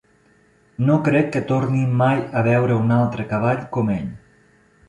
No crec que torni mai a veure un altre cavall com ell.